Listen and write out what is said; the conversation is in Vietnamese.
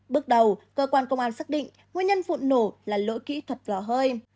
bước đầu cơ quan công an xác định nguyên nhân vụ nổ là lỗi kỹ thuật lò hơi